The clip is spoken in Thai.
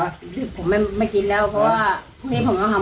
ผมไม่ไม่กินแล้วเพราะว่าพรุ่งนี้ผมต้องทำ